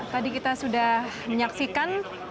tadi kita sudah menyaksikan